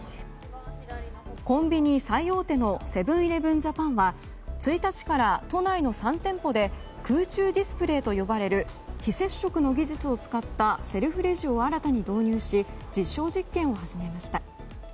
コンビニ最大手のセブン‐イレブン・ジャパンが１日から都内の３店舗で空中ディスプレイと呼ばれる非接触の技術を使ったセルフレジを新たに導入し実証実験を始めました。